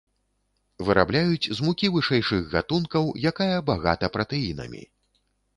Вырабляюць з мукі вышэйшых гатункаў, якая багата пратэінамі.